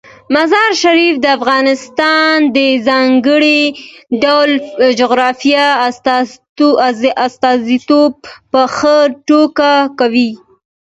مزارشریف د افغانستان د ځانګړي ډول جغرافیې استازیتوب په ښه توګه کوي.